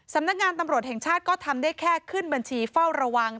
สำนักงานตำรวจแห่งชาติก็ทำได้แค่ขึ้นบัญชีเฝ้าระวัง